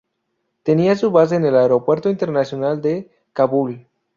Tenía su base en el Aeropuerto Internacional de Kabul.